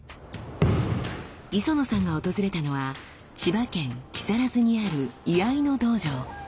磯野さんが訪れたのは千葉県木更津にある居合の道場。